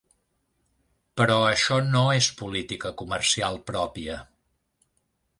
Però això no és política comercial pròpia.